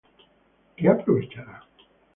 ¿qué aprovechará?